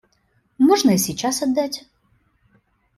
Можно и сейчас отдать.